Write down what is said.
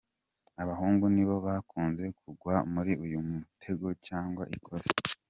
Abahungu nibo bakunze kugwa muri uyu mutego cyangwa ikosa.